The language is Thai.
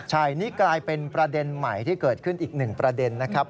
ใช่นี่กลายเป็นประเด็นใหม่ที่เกิดขึ้นอีกหนึ่งประเด็นนะครับ